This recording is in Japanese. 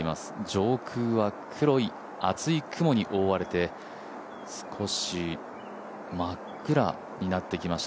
上空は黒い厚い雲に覆われて少し真っ暗になってきました。